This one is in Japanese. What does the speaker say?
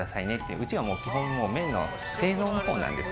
うちは基本麺の製造のほうなんです。